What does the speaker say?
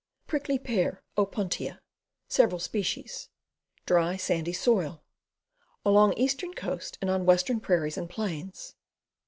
Prickly Pear. Opuntia. Several species. Dry, sandy soil. Along eastern coast, and on western prairies and plains.